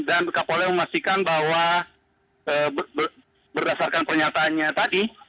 dan kapolda memastikan bahwa berdasarkan pernyataannya